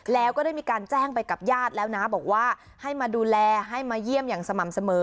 แล้วก็ได้มีการแจ้งไปกับญาติแล้วนะบอกว่าให้มาดูแลให้มาเยี่ยมอย่างสม่ำเสมอ